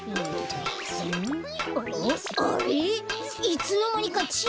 いつのまにかちぃ